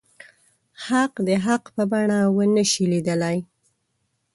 حق د حق په بڼه ونه شي ليدلی.